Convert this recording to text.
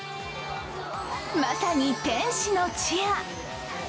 まさに、天使のチア。